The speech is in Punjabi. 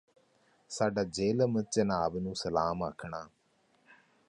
ਸਾਡਾ ਜਿਹਲਮ ਚਨਾਬ ਨੂੰ ਸਲਾਮ ਆਖਣਾ